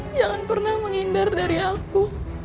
jangan pernah menghindar dari aku